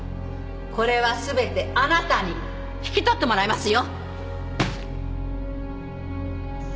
これは全てあなたに引き取ってもらいますよ